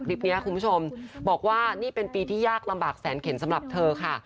คุณผู้ชมบอกว่านี่เป็นปีที่ยากลำบากแสนเข็นสำหรับเธอค่ะ